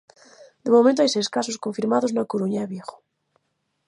De momento hai seis casos confirmados na Coruña e Vigo.